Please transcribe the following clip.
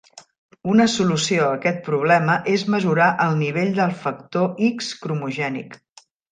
Una solució a aquest problema és mesurar el nivell del factor X cromogènic.